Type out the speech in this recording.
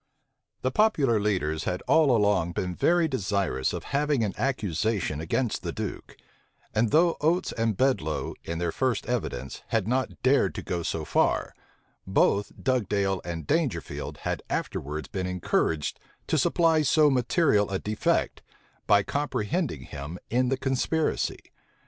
The popular leaders had all along been very desirous of having an accusation against the Duke; and though Oates and Bedloe, in their first evidence, had not dared to go so far, both Dugdale and Dangerfield had afterwards been encouraged to supply so material a defect, by comprehending him in the conspiracy.